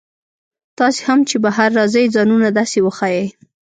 تاسي هم چې بهر راځئ ځانونه داسې وښایئ.